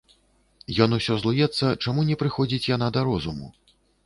Ён усё злуецца, чаму не прыходзіць яна да розуму.